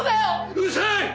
うるさい！